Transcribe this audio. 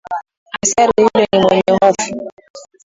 Askari yule ni mwenye hofu.